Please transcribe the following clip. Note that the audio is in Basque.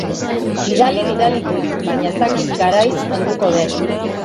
Bidali, bidali dut. Baina ez dakit garaiz helduko den.